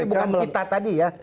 tapi bukan kita tadi ya